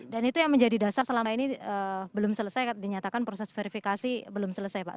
itu yang menjadi dasar selama ini belum selesai dinyatakan proses verifikasi belum selesai pak